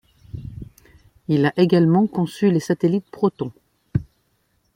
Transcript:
Il a également conçu les satellites Proton.